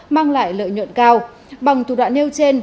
mang lại lợi nhuận cao bằng thủ đoạn nêu trên